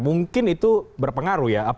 mungkin itu berpengaruh ya